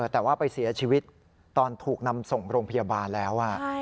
แต่ว่าไปเสียชีวิตตอนถูกนำส่งโรงพยาบาลแล้ว